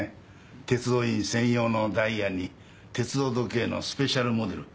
鉄道員専用のダイヤに鉄道時計のスペシャルモデル。